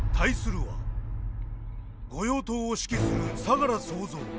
御用盗を指揮する相楽総三。